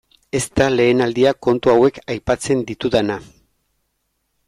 Ez da lehen aldia kontu hauek aipatzen ditudana.